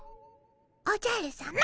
おじゃるさま！